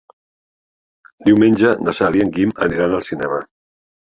Diumenge na Cel i en Guim aniran al cinema.